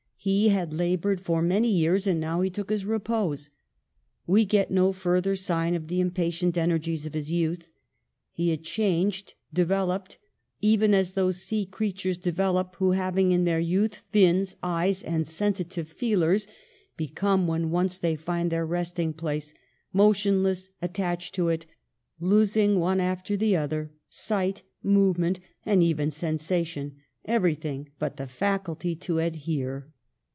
He had labored for many years and now he took his repose. We get no further sign of the im patient energies of his youth. He had changed, developed ; even as those sea creatures develop, who, having in their youth fins, eyes, and sensi tive feelers, become, when once they find their resting place, motionlessly attached to it, losing, one after the other, sight, movement, and even sensation, everything but the faculty to adhere.